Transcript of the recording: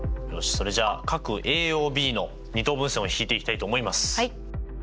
それじゃあ角ＡＯＢの二等分線を引いていきたいと思います！